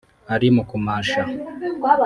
ari mu kumasha